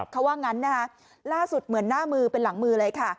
เขาว่างั้นนะคะล่าสุดเหมือนหน้ามือเป็นหลังมือเลยค่ะ